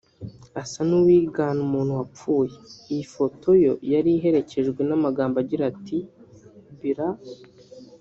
asa n’uwigana umuntu wapfuye; iyi foto yo yari iherekejwe n’amagambo agira ati “brr